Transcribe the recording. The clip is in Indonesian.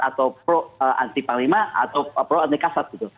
atau pro anti panglima atau pro anti kasat gitu